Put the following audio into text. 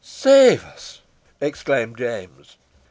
"Save us!" exclaimed James.